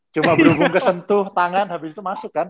cuma berhubung kesentuh tangan habis itu masuk kan